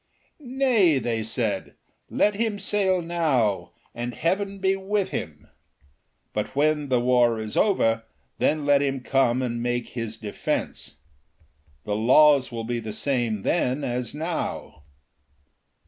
'' Nay," they said, "let him sail now, and Heaven be with him! But when the war is over, then let him come and make his defence. The laws will be the same then as now."